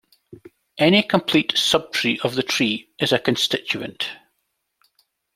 Any complete sub-tree of the tree is a constituent.